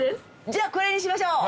じゃあこれにしましょう。